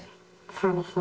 そうですね。